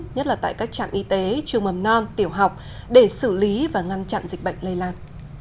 nhất là tại các trạm y tế trường mầm non tiểu học để xử lý và ngăn chặn dịch bệnh lây lan